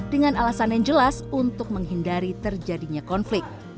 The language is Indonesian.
dengan alasan yang jelas untuk menghindari terjadinya konflik